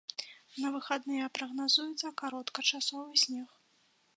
На выхадныя прагназуецца кароткачасовы снег.